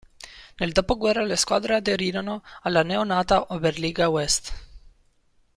Nel dopoguerra le squadre aderirono alla neonata Oberliga West.